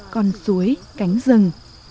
với cánh rừng